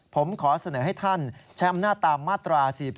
ผมขอเสนอให้ท่านใช้อำนาจตามมาตรา๔๔